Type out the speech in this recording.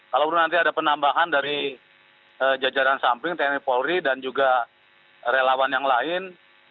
kalau nanti ada penambahan dari jajaran samping tni polri dan juga relawan yang lain